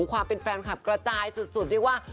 ความเป็นแฟนคลับกระจายสุดเรียกว่า